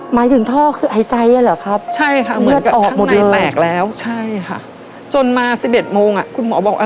หมายถึงท่อคือไอไซค์เอ่อหรอครับ